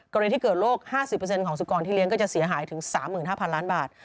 กรณีที่เกิดโรค๕๐ของสุกรที่เลี้ยก็จะเสียหายถึง๓๕๐๐ล้านบาท